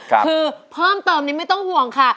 คือเพิ่มเติมนี้ไม่ต้องห่วงค่ะ